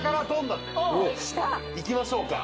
「いきましょうか。